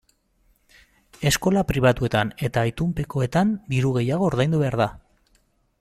Eskola pribatuan eta itunpekoetan diru gehiago ordaindu behar da.